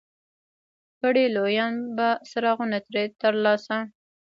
کړي لویان به څراغونه ترې ترلاسه